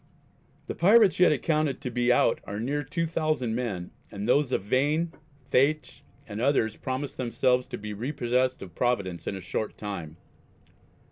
The Pirates yet accounted to be out are near 2,000 men and of those Vain, Thaitch, and others promise themselves to be repossessed of Providence in a short time.